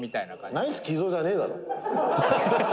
「ナイツ寄贈じゃねえだろ」